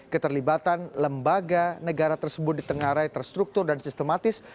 keterlibatan lembaga negara tersebut di tengah raya terstruktur dan sistematis